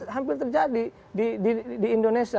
sampai terjadi di indonesia